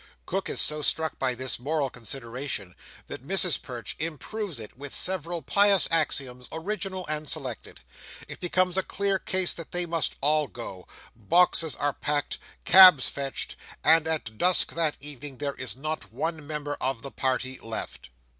Cook is so struck by this moral consideration, that Mrs Perch improves it with several pious axioms, original and selected. It becomes a clear case that they must all go. Boxes are packed, cabs fetched, and at dusk that evening there is not one member of the party left.